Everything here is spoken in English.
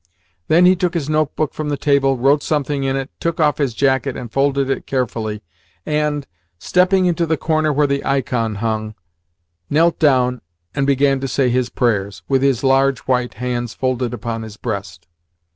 Then he took his notebook from the table, wrote something in it, took off his jacket and folded it carefully, and, stepping into the corner where the ikon hung, knelt down and began to say his prayers, with his large white hands folded upon his breast.